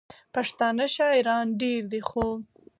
پښتانه شاعران ډېر دي، خو: